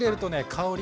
香り